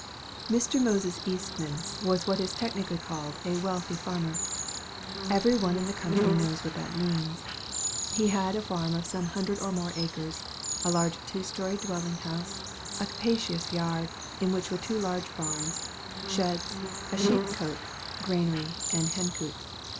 Mr. Moses Eastman was what is technically called a wealthy farmer. Every one in the country knows what this means. He had a farm of some hundred or more acres, a large two story dwelling house, a capacious yard, in which were two large barns, sheds, a sheep cote, granary, and hen coop.